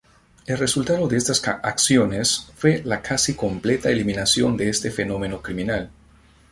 El resultado de estas acciones fue la casi completa eliminación de este fenómeno criminal.